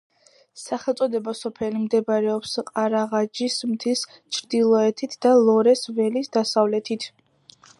სახელწოდება სოფელი მდებარეობს ყარაღაჯის მთის ჩრდილოეთით და ლორეს ველის დასავლეთით.